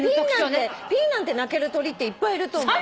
ピーなんて鳴ける鳥っていっぱいいると思うの。